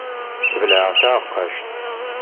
Sbelɛeɣ taɛeqqact.